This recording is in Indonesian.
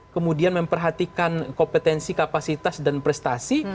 kemudian memperhatikan kompetensi kapasitas dan prestasi